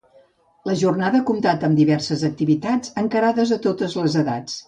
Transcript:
La jornada ha comptat amb diverses activitats encarades a totes les edats.